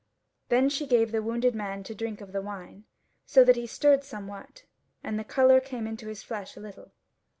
Then she gave the wounded man to drink of the wine, so that he stirred somewhat, and the colour came into his face a little.